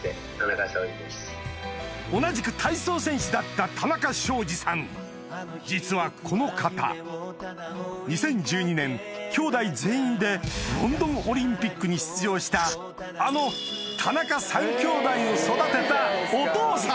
同じく体操選手だった実はこの方２０１２年きょうだい全員でロンドンオリンピックに出場したあの田中３きょうだいを育てたお父さん！